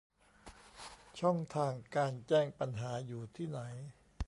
ช่องทางการแจ้งปัญหาอยู่ที่ไหน